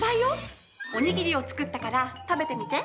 おにぎりを作ったから食べてみて。